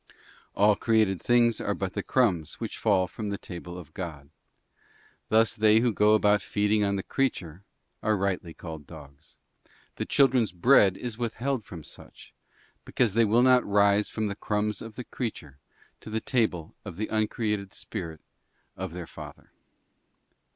All created things are but the crumbs which fall from the table of God. Thus they who go about feeding on the creature are rightly called dogs; the children's bread is withheld from such, because they will not rise from the crumbs of the creature to the table of the uncreated Spirit of their Father.